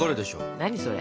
何それ？